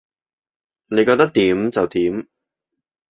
你覺得點就點